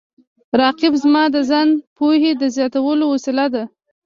رقیب زما د ځان پوهې د زیاتولو وسیله ده